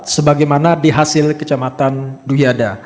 sebagaimana di hasil kecamatan duyada